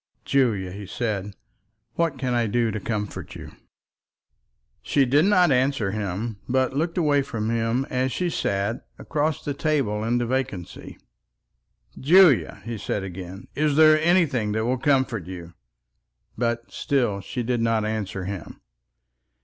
"Julia," he said, "what can I do to comfort you?" She did not answer him, but looked away from him as she sat, across the table into vacancy. "Julia," he said again, "is there anything that will comfort you?" But still she did not answer him.